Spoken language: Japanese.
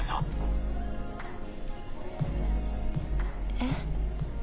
えっ。